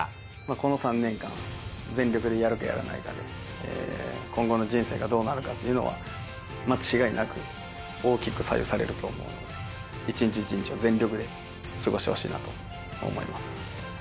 この３年間を全力でやるかやらないかで今後の人生がどうなるかというのは、間違いなく大きく左右されると思うので、一日一日を全力で過ごしてほしいなと思います。